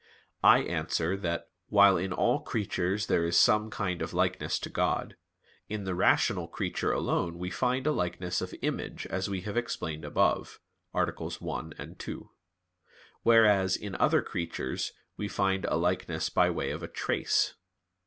I answer that, While in all creatures there is some kind of likeness to God, in the rational creature alone we find a likeness of "image" as we have explained above (AA. 1,2); whereas in other creatures we find a likeness by way of a "trace."